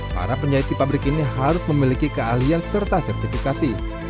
para penjahiti pabrik ini harus memiliki kealian serta sertifikasi